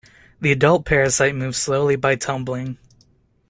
The adult parasite moves slowly by tumbling.